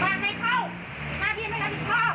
หาพี่มึงมาใครเข้ามาพี่ไม่รับอิทธิ์ข้อ